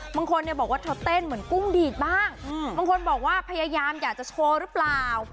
บางคนเนี่ยบอกว่าเธอเต้นเหมือนกุ้งดีดบ้างบางคนบอกว่าพยายามอยากจะโชว์หรือเปล่า